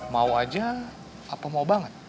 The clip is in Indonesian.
mau aja apa mau banget